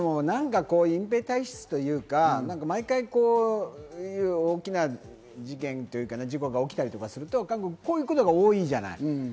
隠蔽体質というか、毎回、大きな事件・事故が起きたりすると、こういうことが多いじゃない。